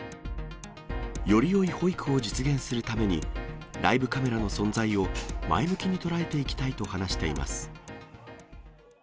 よりよい保育を実現するために、ライブカメラの存在を前向きに捉えていきたいと話しています。